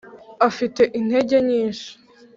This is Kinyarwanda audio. Afite intenge nyinshi